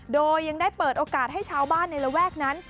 โดยยังได้เปิดโอกาสให้ชาวบ้านในระแวกนั้น